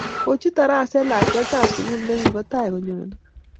Kichuut taraset lakwetab sugul negibo tai konyone